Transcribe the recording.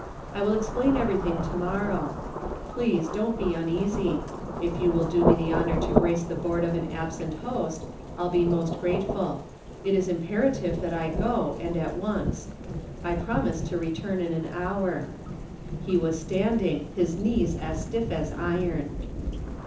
I will explain everything to morrow. Please don't be uneasy. If you will do me the honor to grace the board of an absent host, I'll be most grateful. It is imperative that I go, and at once. I promise to return in an hour." He was standing, his knees as stiff as iron.